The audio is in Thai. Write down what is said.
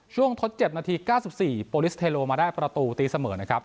ช่วงทดเจ็บนาทีเก้าสิบสี่โปรลิสเทรโลมาได้ประตูตีเสมอนะครับ